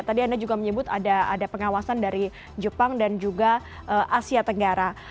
tadi anda juga menyebut ada pengawasan dari jepang dan juga asia tenggara